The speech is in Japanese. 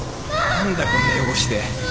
・何だこんな汚して